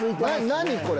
何これ⁉